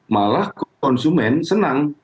malah konsumen senang